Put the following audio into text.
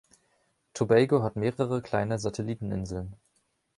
Tobago hat mehrere kleine Satelliten-Inseln.